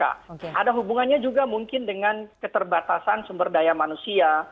ada hubungannya juga mungkin dengan keterbatasan sumber daya manusia